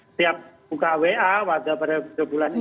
setiap buka wa pada bulan ini